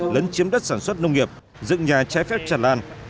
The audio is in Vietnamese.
lấn chiếm đất sản xuất nông nghiệp dựng nhà trái phép tràn lan